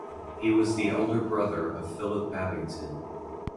He was the elder brother of Philip Babington.